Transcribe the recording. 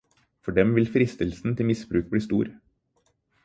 For dem vil fristelsen til misbruk bli stor.